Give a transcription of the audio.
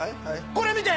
これ見て！